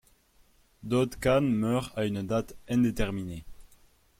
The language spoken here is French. Daud Khan meurt à une date indéterminée.